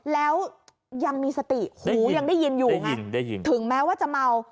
แล้วยังมีสติหูยังได้ยินอยู่ไงถึงแม้ว่าจะเมา